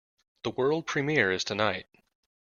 The world premiere is tonight!